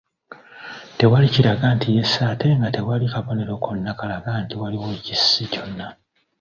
Tewaaliwo kiraga nti yesse ate nga tewali kabonero konna kalaga nti waliwo ekissi kyonna.